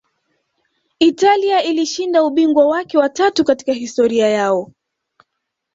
italia ilishinda ubingwa wake wa tatu katika historia yao